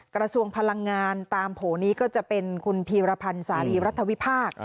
กระทรวงพลังงานตามโผล่นี้ก็จะเป็นคุณพีรพันธ์สารีรัฐวิพากษ์